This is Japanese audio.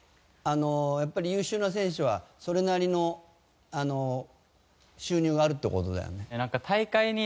やっぱり優秀な選手はそれなりの収入があるっていう事だよね？